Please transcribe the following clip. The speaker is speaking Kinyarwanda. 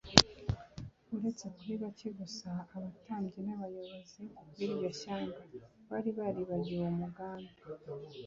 Uretse kuri bake gusa, abatambyi n'abayobozi b'iryo shyanga bari baribagiwe uwo mugambi.